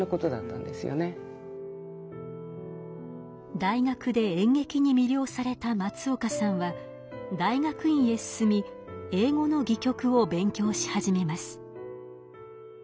大学で演劇に魅了された松岡さんは大学院へ進み英語の戯曲を勉強し始めます。